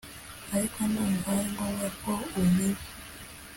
ariko ndumva aringombwa ko ubimenya